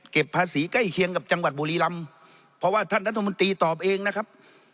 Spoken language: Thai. ภาษีใกล้เคียงกับจังหวัดบุรีรำเพราะว่าท่านรัฐมนตรีตอบเองนะครับ